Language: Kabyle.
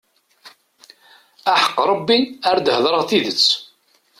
Aḥeqq Rebbi ar d-heddṛeɣ tidet.